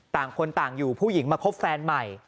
ต่างคนต่างอยู่ผู้หญิงมาคบแฟนใหม่